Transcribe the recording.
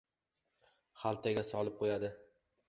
Xaltaga solib qo‘yadi.